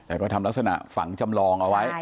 แต่ก็ทำลักษณะฝังจำลองเอาไว้